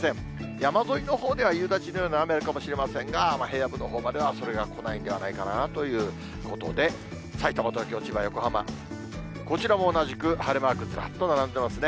山沿いのほうでは夕立のような雨はあるかもしれませんが、平野部のほうまではそれが来ないんじゃないかなということで、さいたま、東京、千葉、横浜、こちらも同じく晴れマーク、ずらっと並んでますね。